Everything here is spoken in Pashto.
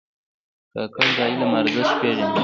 کاکړ د علم ارزښت پېژني.